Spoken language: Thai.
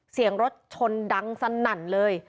เสียงรถชนดังสนั่นเลย